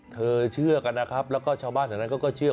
เธอเชื่อกันนะครับแล้วก็ชาวบ้านตรงนั้นเชื่อ